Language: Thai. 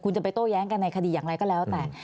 คุณจะไปโต้แย้งกันในคดีอย่างไรก็แล้วแต่